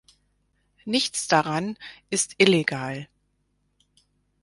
Nichts daran ist illegal.